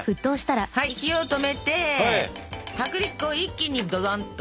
はい火を止めて薄力粉を一気にドドンと！